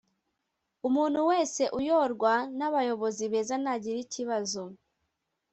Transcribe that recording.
Umuntu wese uyorwa na bayobozi beza ntagira ikibazo